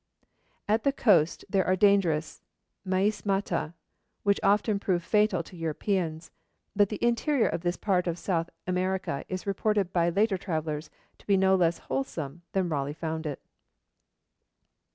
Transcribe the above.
At the coast there are dangerous miasmata which often prove fatal to Europeans, but the interior of this part of South America is reported by later travellers to be no less wholesome than Raleigh found it.